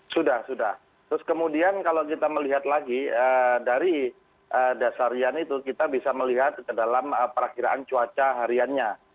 sudah sudah terus kemudian kalau kita melihat lagi dari dasarian itu kita bisa melihat dalam perakiraan cuaca hariannya